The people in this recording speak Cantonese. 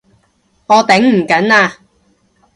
我頂唔緊喇！